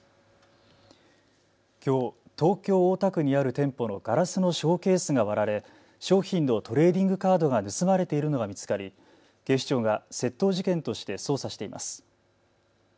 きょう東京大田区にある店舗のガラスのショーケースが割られ商品のトレーディングカードが盗まれているのが見つかり警視庁が窃盗事件として捜査しています。